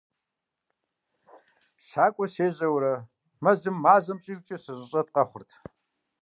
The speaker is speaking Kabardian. ЩакӀуэ сежьэурэ, мэзым мазэм щӀигъукӀэ сыщыщӀэт къэхъурт.